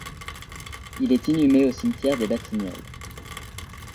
Il est inhumé au cimetière des Batignoles.